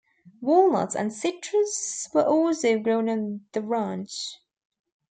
Walnuts and citrus were also grown on the ranch.